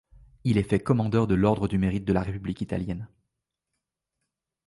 Il est fait commandeur de l’ordre du Mérite de la République italienne.